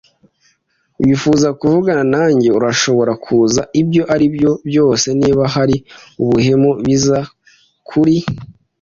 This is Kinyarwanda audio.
wifuza kuvugana nanjye, urashobora kuza, ibyo aribyo byose. Niba hari ubuhemu, bizaba kuri